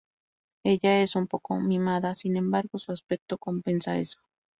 Ella es un poco mimada sin embargo su aspecto compensa eso.